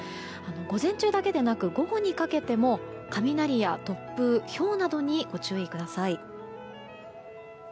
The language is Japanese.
午前中だけでなく午後にかけても雷や突風、ひょうなどにご注意ください。